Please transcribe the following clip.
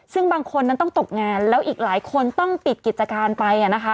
ซึ่งบางคนนั้นต้องตกงานแล้วอีกหลายคนต้องปิดกิจการไป